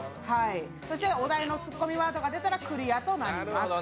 そしてお題のツッコミワードが出たらクリアとなります。